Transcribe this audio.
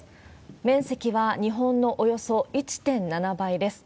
面積は日本のおよそ１．７倍です。